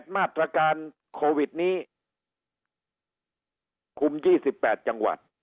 มาตรการโควิดนี้คุม๒๘จังหวัด